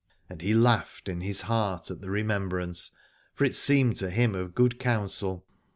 And he laughed in his heart at the remem brance, for it seemed to him of good counsel.